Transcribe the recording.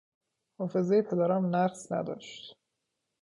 حافظهی پدرم نقص نداشت.